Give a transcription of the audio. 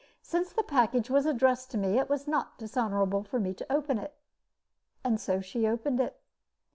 Since the package was addressed to me, it was not dishonorable for me to open it. And so she opened it.